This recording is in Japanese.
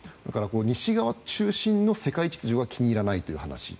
西側中心の世界秩序が気に入らないという話。